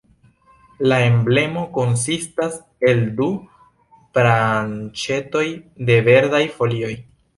La emblemo konsistas el du branĉetoj de verdaj folioj.